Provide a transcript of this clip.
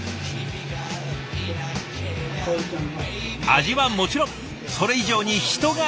味はもちろんそれ以上に人がいい。